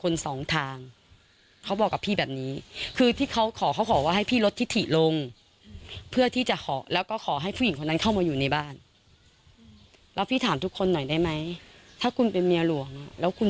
แล้วพี่ถามทุกคนหน่อยได้ไหมถ้าคุณเป็นเมียหลวงแล้วคุณ